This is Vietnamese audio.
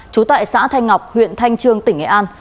trú tại xã thanh ngọc huyện thanh trương tỉnh nghệ an